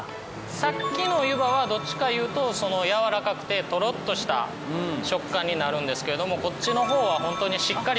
さっきの湯葉はどっちかいうとやわらかくてトロッとした食感になるんですけれどもこっちの方はホントにしっかりした食感。